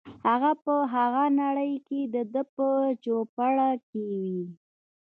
هغه په هغه نړۍ کې دده په چوپړ کې وي.